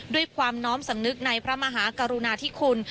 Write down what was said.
ด้วยความน้อมสำนึกในพระมหากรุณาธิคุณ